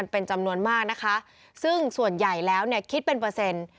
เป็นจำนวนมากนะคะซึ่งส่วนใหญ่แล้วเนี่ยคิดเป็นเปอร์เซ็นต์